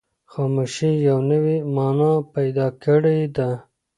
خاموشي یوه نوې مانا پیدا کړې ده.